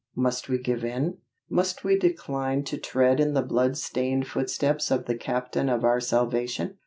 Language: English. Must we give in? Must we decline to tread in the bloodstained footsteps of the Captain of our salvation?